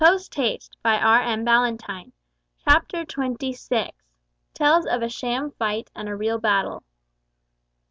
Strange! very strange!" CHAPTER TWENTY SIX. TELLS OF A SHAM FIGHT AND A REAL BATTLE.